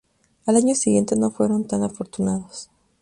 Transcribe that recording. Al año siguiente no fueron tan afortunados.